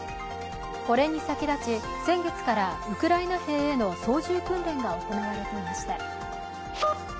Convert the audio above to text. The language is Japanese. これに先立ち、先月からウクライナ兵への操縦訓練が行われていました。